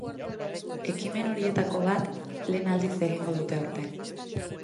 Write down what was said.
Ekimen horietako bat lehen aldiz egingo dute aurten.